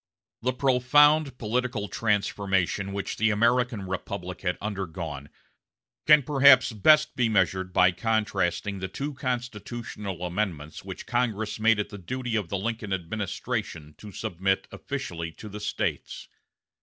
The profound political transformation which the American Republic had undergone can perhaps best be measured by contrasting the two constitutional amendments which Congress made it the duty of the Lincoln administration to submit officially to the States.